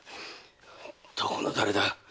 どこの誰だ！